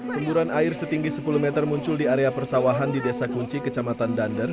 semburan air setinggi sepuluh meter muncul di area persawahan di desa kunci kecamatan dander